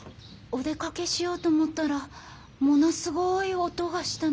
お出かけしようと思ったらものすごい音がしたので。